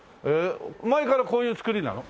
前からこういう造りなの？